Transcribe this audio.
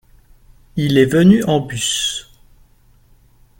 Il est venu en bus.